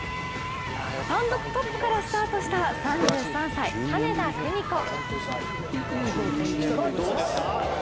単独トップからスタートした３３歳、金田久美子。